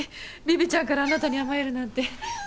ビビちゃんからあなたに甘えるなんて。